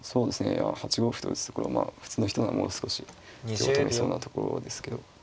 いや８五歩と打つところまあ普通の人ならもう少し手を止めそうなところですけど。